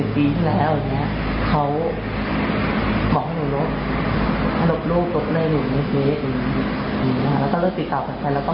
ตอนคบกันเขาก็เป็นน่ารักแล้วเนอะ